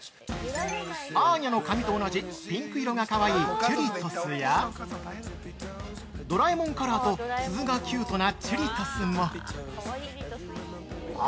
アーニャの髪と同じピンク色がかわいいチュリトスやドラえもんカラーと鈴がキュートなチュリトスも！